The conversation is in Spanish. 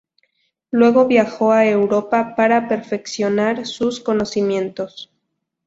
Luego viajó a Europa para perfeccionar sus conocimientos.